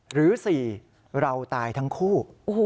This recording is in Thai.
หรือ๔เราตายทั้งคู่